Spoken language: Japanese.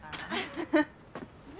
アハハハ。